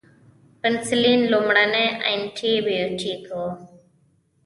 پنسلین لومړنی انټي بیوټیک و